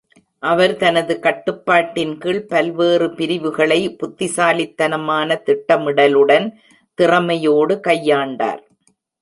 அவர் தனது கட்டுப்பாட்டின் கீழ் உள்ள பல்வேறு பிரிவுகளை புத்திசாலித்தனமான திட்டமிடலுடன் திறமையோடு கையாண்டார்.